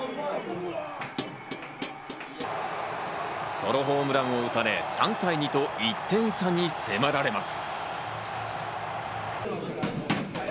ソロホームランを打たれ、３対２と１点差に迫られます。